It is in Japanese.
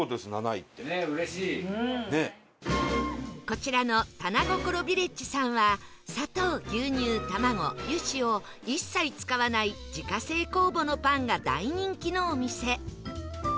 こちらのたなごころビレッジさんは砂糖牛乳卵油脂を一切使わない自家製酵母のパンが大人気のお店